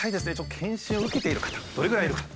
検診を受けている方どれぐらいいるか。